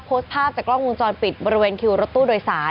โพสต์ภาพจากกล้องวงจรปิดบริเวณคิวรถตู้โดยสาร